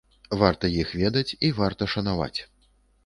Варта іх ведаць і варта шанаваць.